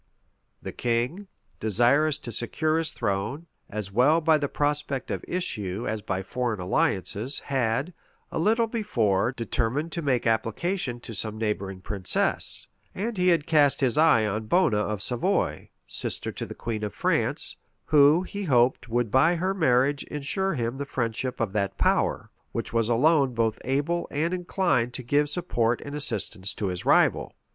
The king, desirous to secure his throne, as well by the prospect of issue as by foreign alliances, had, a little before, determined to make application to some neighboring princess, and he had cast his eye on Bona of Savoy, sister to the queen of France, who, he hoped, would by her marriage insure him the friendship of that power, which was alone both able and inclined to give support and assistance to his rival.